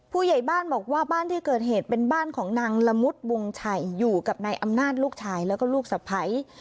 ผู้ใหญ่บ้านบอกว่าบ้านที่เกิดเหตุเป็นบ้านของนางละมุดวงชัยอยู่กับนายอำนาจลูกชายแล้วก็ลูกสะพ้าย